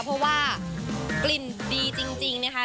เพราะว่ากลิ่นดีจริงนะคะ